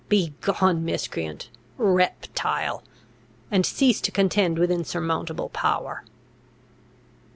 Begone, miscreant! reptile! and cease to contend with insurmountable power!"